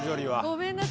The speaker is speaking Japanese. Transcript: ごめんなさい。